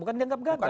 bukan dianggap gagal